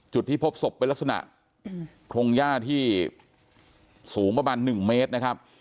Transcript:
จุดที่พบศพเป็นลักษณะพรงย่าที่สูงประมาณ๑เมตรนะครับ